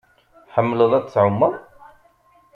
Tḥemmleḍ ad tɛumeḍ?